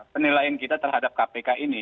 penilaian kita terhadap kpk ini